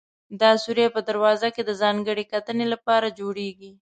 دا سورى په دروازه کې د ځانګړې کتنې لپاره جوړېږي.